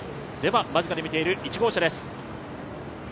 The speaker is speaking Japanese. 間近で見ている１号車です。